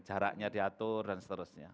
jaraknya diatur dan seterusnya